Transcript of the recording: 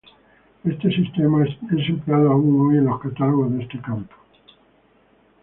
Este sistema es empleado aún hoy en los catálogos de este campo.